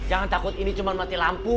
jangan takut ini cuma mati lampu